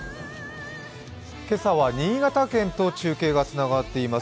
今朝は新潟県と中継がつながっています。